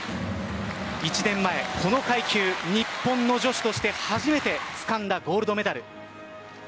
１年前この階級日本の女子として初めてつかんだゴールドメダル。